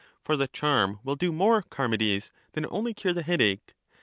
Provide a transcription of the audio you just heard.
For the charm will do more, Charmides, than only cure the headache.